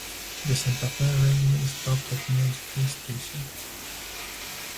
The Santa Fe Railway stopped at Millsdale Station.